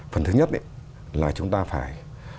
phần thứ nhất là chúng ta phải